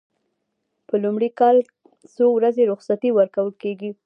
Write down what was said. په لومړي کال څو ورځې رخصتي ورکول کیږي؟